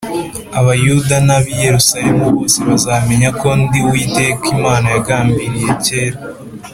aBuyuda n ab i Yerusalemu bose bazamenya ko ndi uwiteka imana yagambiriye kera